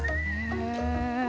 へえ。